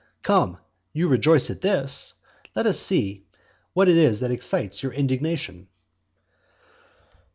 Come; you rejoice at this; let us see what it is that excites your indignation.